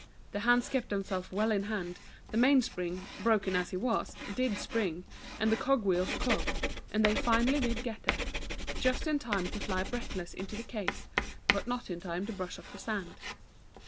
The hands kept themselves well in hand, the main spring, broken as he was, did spring, and the cog wheels cogged, and they finally did get there, just in time to fly breathless into the case, but not in time to brush ofl" the sand.